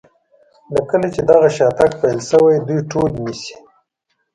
له کله چې دغه شاتګ پیل شوی دوی ټول نیسي.